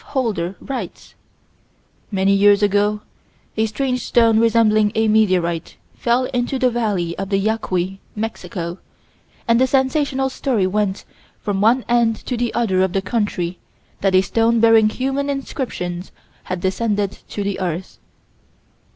Holder writes: "Many years ago, a strange stone resembling a meteorite, fell into the Valley of the Yaqui, Mexico, and the sensational story went from one end to the other of the country that a stone bearing human inscriptions had descended to the earth."